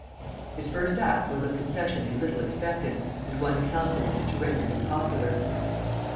His first act was a concession they little expected, and one calculated to render him popular.